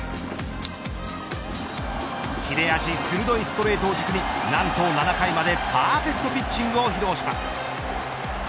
切れ味鋭いストレートを軸に何と７回までパーフェクトピッチングを披露します。